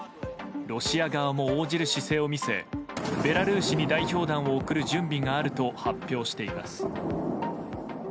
ロシア側も応じる姿勢を見せベラルーシに代表団を送る準備があると発表しています。